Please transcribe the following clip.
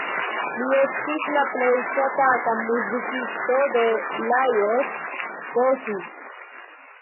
Li estis la plej ŝatata muzikisto de Lajos Kossuth.